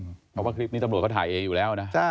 เพราะว่าคลิปนี้ตำรวจเขาถ่ายเองอยู่แล้วนะ